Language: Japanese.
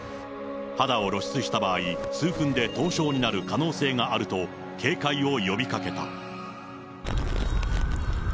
肌を露出した場合、数分で凍傷になる可能性があると、警戒を呼びかけた。